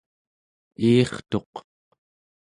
iirtuq